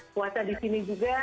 puasa di sini juga